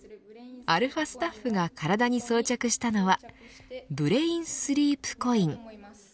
αスタッフが体に装着したのはブレインスリープコイン。